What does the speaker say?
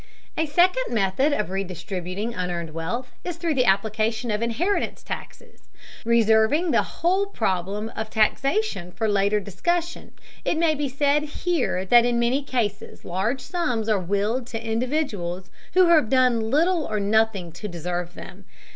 A second method of redistributing unearned wealth is through the application of inheritance taxes. Reserving the whole problem of taxation for later discussion, [Footnote: See Chapter XXXII.] it may be said here that in many cases large sums are willed to individuals who have done little or nothing to deserve them.